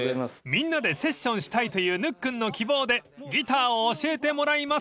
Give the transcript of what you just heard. ［みんなでセッションしたいというぬっくんの希望でギターを教えてもらいます］